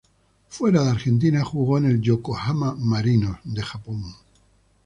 Fuera de Argentina jugó en el Yokohama Marinos de Japón.